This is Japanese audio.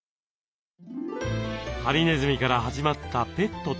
ハリネズミから始まったペットとの暮らし。